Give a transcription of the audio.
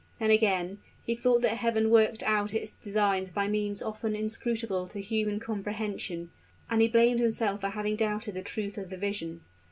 Then, again, he thought that heaven worked out its designs by means often inscrutable to human comprehension: and he blamed himself for having doubted the truth of the vision.